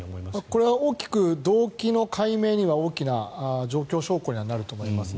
これは動機の解明には大きな状況証拠にはなると思いますね。